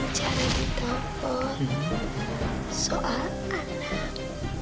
bicara di dapur soal anak